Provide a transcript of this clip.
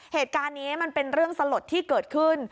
เหตุการณ์นี้มันเป็นเรื่องสลดที่เกิดขึ้น